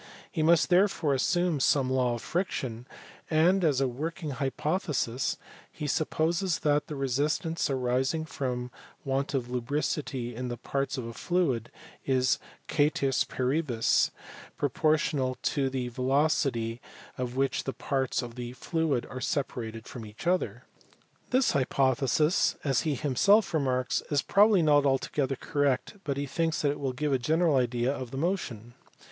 He must therefore assume some law of friction, and as a working hypothesis he supposes that "the resistance arising from want of lubricity in the parts of a fluid is, cater is paribus, proportional to the velocity with which the parts of the fluid are separated from each other." This hypothesis, as he himself remarks, is probably not altogether correct, but he thinks that it will give a general idea of the motion.